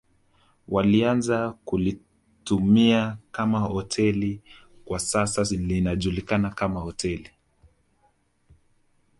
Walianza kulitumia kama hoteli kwa sasa linajulikana kama hoteli